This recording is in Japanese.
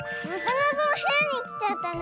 なぞのへやにきちゃったね。